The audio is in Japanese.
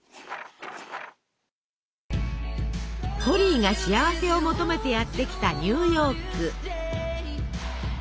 ホリーが幸せを求めてやって来たニューヨーク。